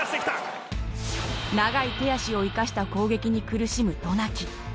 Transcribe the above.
長い手足を生かした攻撃に苦しむ渡名喜。